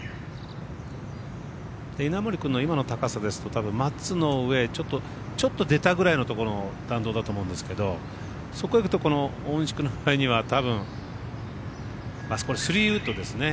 稲森君の今の高さですと松の上ちょっと出たぐらいのところの弾道だと思うんですけどそこ行くとこの大西君の場合にはあそこの３ウッドですね